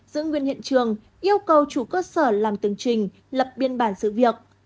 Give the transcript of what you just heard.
giữ nguyên hiện trường yêu cầu chủ cơ sở làm từng trình lập biên bản sự việc